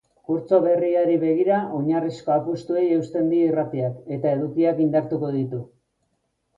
Kurtso berriari begira, oinarrizko apustuei eusten die irratiak eta edukiak indartuko ditu.